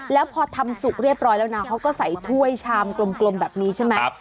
แล้วพอทำสุกเรียบร้อยแล้วนะเขาก็ใส่ถ้วยชามกลมแบบนี้ใช่ไหม